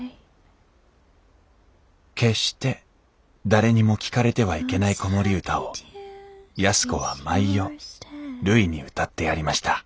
決して誰にも聞かれてはいけない子守歌を安子は毎夜るいに歌ってやりました。